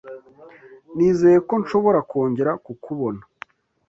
Nizeye ko nshobora kongera kukubona.